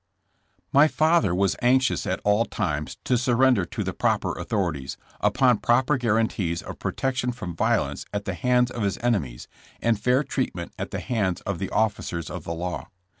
My father was anxious at all times to surrender to the proper authorities, upon proper guarantees of protection from violence at the hands of his enemies and fair treatment at the hands of the officers of the law.